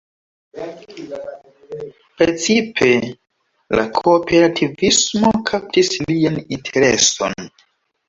Precipe la kooperativismo kaptis lian intereson.